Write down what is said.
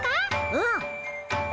うん。